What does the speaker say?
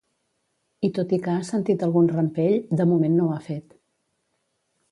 I tot i que ha sentit algun rampell, de moment no ho ha fet.